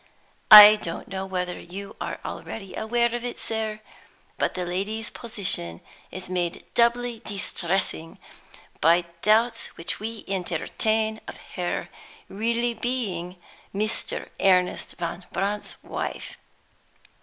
I don't know whether you are already aware of it, sir; but the lady's position is made doubly distressing by doubts which we entertain of her being really Mr. Ernest Van Brandt's wife.